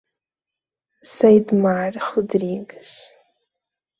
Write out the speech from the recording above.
Ceidmar Rodrigues